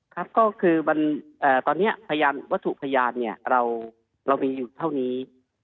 ครับก็คือตอนนี้พยานวัตถุพยานเรามีอยู่เท่านี้